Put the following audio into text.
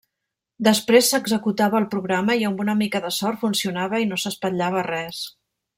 Després s'executava el programa i amb una mica de sort funcionava i no s'espatllava res.